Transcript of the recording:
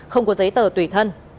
không có giấy tờ tùy thân